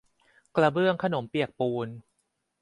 กระเบื้องขนมเปียกปูน